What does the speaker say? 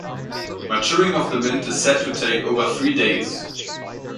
Maturing of the mint is said to take over three days.